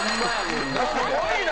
すごいな！